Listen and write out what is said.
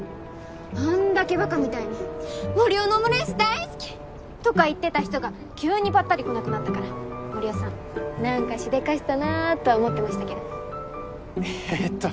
あんだけバカみたいに「森生のオムライスだい好き」とか言ってた人が急にぱったり来なくなったから森生さん何かしでかしたなーとは思ってましたけどえっと